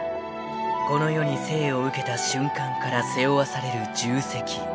［この世に生を受けた瞬間から背負わされる重責］